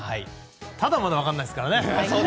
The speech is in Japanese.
ただ、まだ分からないですからね。